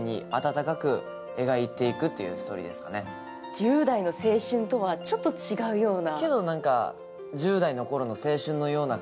１０代の青春とはちょっと違うような。